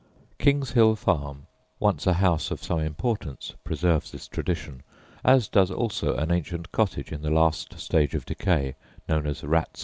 King's Hill Farm, once a house of some importance, preserves this tradition, as does also an ancient cottage, in the last stage of decay, known as "Rats' Castle."